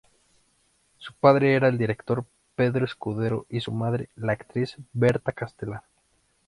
Su padre era el director Pedro Escudero y su madre, la actriz Berta Castelar.